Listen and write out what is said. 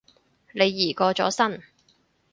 李怡過咗身